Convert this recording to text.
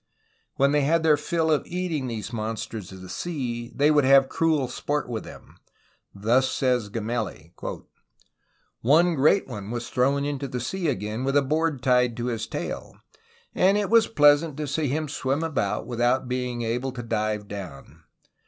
When they had their fill of eating these mon sters of the sea, they would have cruel sport with them. Thus says Gemelli: '^One great one was thrown into the sea again with a board tied to his tail, ... and it was pleasant to see him swim about with out being able to dive down.